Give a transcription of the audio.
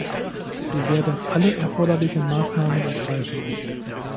Wir werden alle erforderlichen Maßnahmen ergreifen.